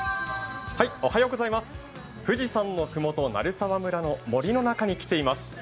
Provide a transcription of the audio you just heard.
富士山の麓、鳴沢村の森の中に来ています。